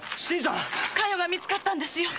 加代がみつかったんですよ。